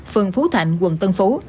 phường phú thạnh quận tân phú